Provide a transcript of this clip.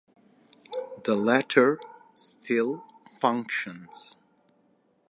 The latter still functions.